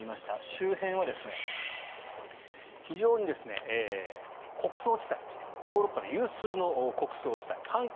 周辺は非常に穀倉地帯ヨーロッパ有数の穀倉地帯